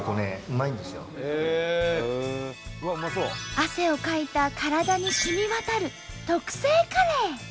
汗をかいた体にしみ渡る特製カレー！